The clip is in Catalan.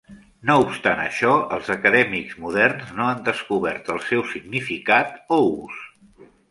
No obstant això, els acadèmics moderns no han descobert el seu significat o ús.